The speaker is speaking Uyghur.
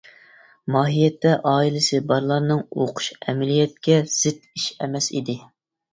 ماھىيەتتە ئائىلىسى بارلارنىڭ ئوقۇشى ئەمەلىيەتكە زىت ئىش ئەمەس ئىدى.